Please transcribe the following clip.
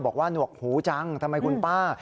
บอกว่านวกหูใจจังทำไมคุณป้า